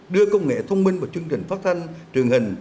đưa công nghệ thông minh vào chương trình phát thanh truyền hình